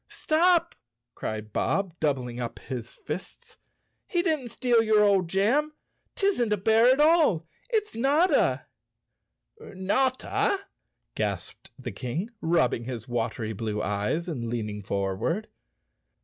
" Stop! " cried Bob, doubling up his fists. " He didn't steal your old jam. 'Tisn't a bear at all, it's Notta!" "Notta?" gasped the King, rubbing his watery blue eyes, and leaning forward.